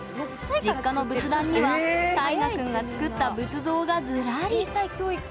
実家の仏壇にはたいがくんが作った仏像がずらり。